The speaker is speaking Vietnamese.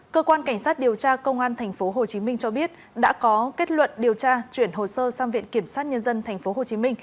cơ quan cảnh sát điều tra công an tp hcm cho biết đã có kết luận điều tra chuyển hồ sơ sang viện kiểm sát nhân dân tp hcm